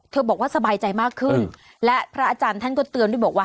บอกว่าสบายใจมากขึ้นและพระอาจารย์ท่านก็เตือนด้วยบอกว่า